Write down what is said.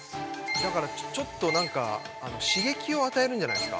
だから、ちょっとなんか刺激を与えるんじゃないですか？